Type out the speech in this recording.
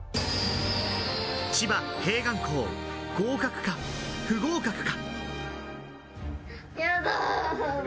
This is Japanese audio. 千葉、併願校、合格か不合格か？